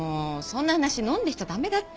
そんな話飲んでしちゃ駄目だって。